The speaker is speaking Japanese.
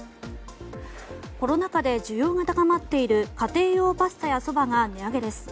コロナ禍で需要が高まっている家庭用パスタやそばが値上げです。